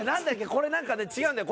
これなんかね違うんだよ